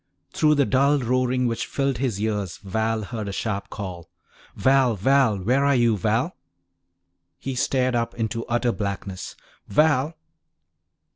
Through the dull roaring which filled his ears Val heard a sharp call: "Val! Val, where are you? Val!" He stared up into utter blackness. "Val!"